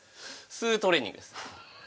吸うトレーニングです